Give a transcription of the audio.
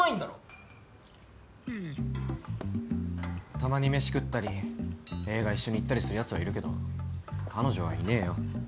たまに飯食ったり映画一緒に行ったりするやつはいるけど彼女はいねえよ。